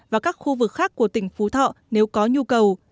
và các khu vực khác của tỉnh phú thọ nếu có nhu cầu